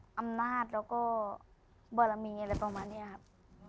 อำนาจแล้วก็บารมีอะไรประมาณนี้ครับ